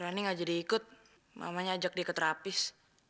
roni nggak jadi ikut mamanya ajak dia ke terapis